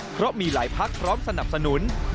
เพราะมีหลายพักพร้อมสนับสนุน